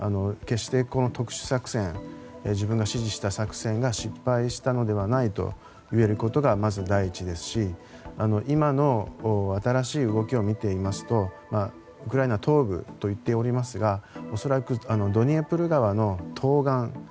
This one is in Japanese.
決して、この特殊作戦自分が指示した作戦が失敗したのではないと言えることがまず、第一ですし今の新しい動きを見ていますとウクライナ東部と言っておりますが恐らくドニエプル川の東岸。